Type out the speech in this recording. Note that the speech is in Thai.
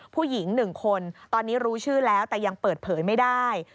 ผู้หญิง๑คนตอนนี้รู้ชื่อแล้วแต่ยังเปิดเผยไม่ได้